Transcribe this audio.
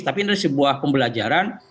tapi ini sebuah pembelajaran